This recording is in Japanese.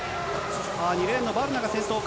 ２レーンのバルナが先頭か。